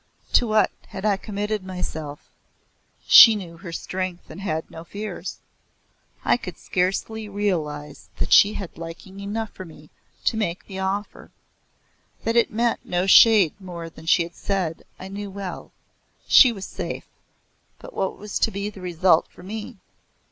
To what had I committed myself? She knew her strength and had no fears. I could scarcely realize that she had liking enough for me to make the offer. That it meant no shade more than she had said I knew well. She was safe, but what was to be the result for me?